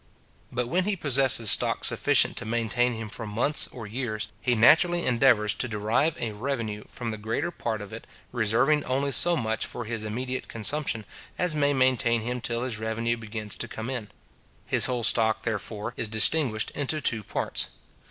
But when he possesses stock sufficient to maintain him for months or years, he naturally endeavours to derive a revenue from the greater part of it, reserving only so much for his immediate consumption as may maintain him till this revenue begins to come in. His whole stock, therefore, is distinguished into two parts.